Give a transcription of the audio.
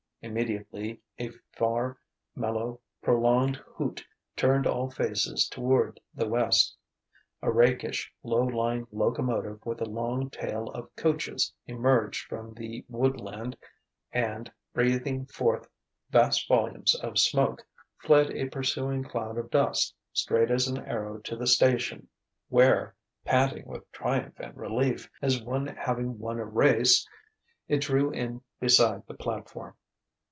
Immediately a far, mellow, prolonged hoot turned all faces toward the west. A rakish, low lying locomotive with a long tail of coaches emerged from the woodland and, breathing forth vast volumes of smoke, fled a pursuing cloud of dust, straight as an arrow to the station; where, panting with triumph and relief, as one having won a race, it drew in beside the platform.